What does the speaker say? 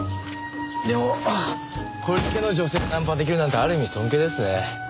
でもこれだけの女性をナンパ出来るなんてある意味尊敬ですね。